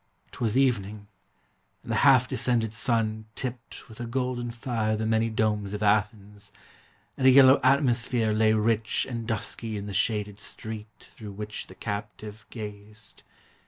'T was evening, and the half descended sun Tipped with a golden fire the many domes Of Athens, and a yellow atmosphere Lay rich and dusky in the shaded street Through which the captive gazed.